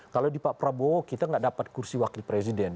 kalau di pak prabowo kita nggak dapat kursi wakil presiden